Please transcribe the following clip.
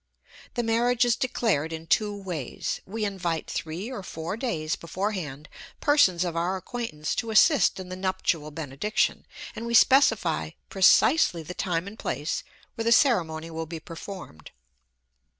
The marriage is declared in two ways. We invite three or four days beforehand persons of our acquaintance to assist in the nuptial benediction, and we specify precisely the time and place where the ceremony will be performed.